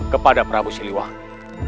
kepada prabu siliwangi